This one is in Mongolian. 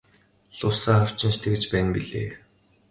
Лувсан аав чинь ч тэгж байна билээ.